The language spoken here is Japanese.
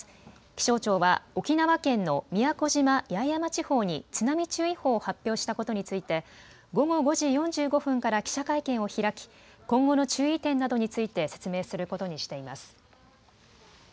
気象庁は沖縄県の宮古島・八重山地方に津波注意報を発表したことについて午後５時４５分から記者会見を開き今後の注意点などについて説明することにしています。